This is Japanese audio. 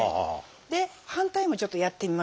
で反対もちょっとやってみましょうか。